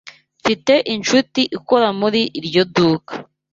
Mfite inshuti ikora muri iryo duka.